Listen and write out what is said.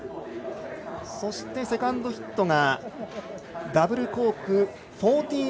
そして、セカンドヒットがダブルコーク１４４０。